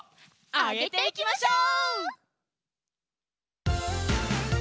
あげていきましょう！